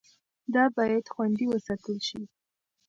دا باید خوندي وساتل شي.